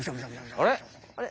あれ？